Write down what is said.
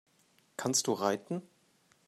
Kannst du reiten?